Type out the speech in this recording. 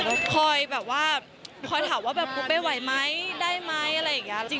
ก็คอยแบบว่าคอยถามว่าแบบไปไหวไหมได้ไหมอะไรอย่างนี้